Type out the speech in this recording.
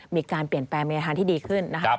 มีการเปลี่ยนแปรเมยฮารที่ดีขึ้น